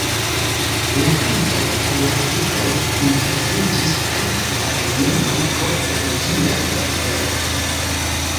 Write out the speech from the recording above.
La francoj kaj la britoj interesiĝis pri la regionoj pro la utilaj riveroj.